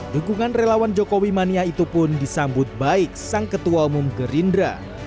dukungan relawan jokowi mania itu pun disambut baik sang ketua umum gerindra